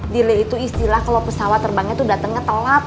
delay itu istilah kalau pesawat terbangnya itu datang ngetelap